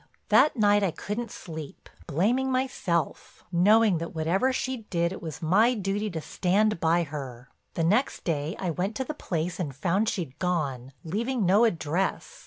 "That night I couldn't sleep, blaming myself, knowing that whatever she did it was my duty to stand by her. The next day I went to the place and found she'd gone, leaving no address.